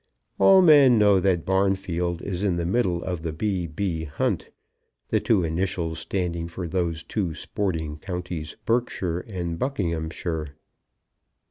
All men know that Barnfield is in the middle of the B. B. Hunt, the two initials standing for those two sporting counties, Berkshire and Buckinghamshire.